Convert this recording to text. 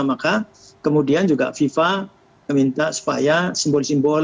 maka kemudian juga fifa meminta supaya simbol simbol